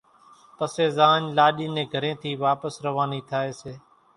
پسيَ زاڃ لاڏِي نين گھرين ٿِي واپس روانِي ٿائيَ سي۔